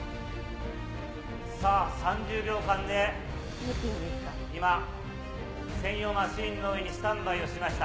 さあ、３０秒間で、今、専用マシンの上にスタンバイをしました。